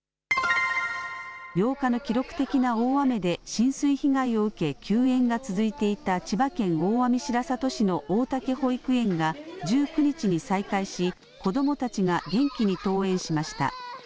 農家の記録的な大雨で浸水被害を受け、休園が続いていた千葉県大網白里市の大竹保育園が１９日に再開し子どもたちが元気に登園しました。